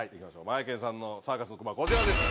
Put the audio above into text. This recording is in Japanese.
マエケンさんのサーカスのくまこちらです。